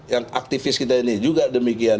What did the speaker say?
yang aktivis kita ini juga demikian